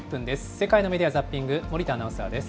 世界のメディア・ザッピング、森田アナウンサーです。